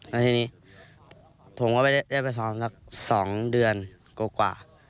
แล้วทีนี้ผมก็ไม่ได้ไปซ้อมสัก๒เดือนกว่า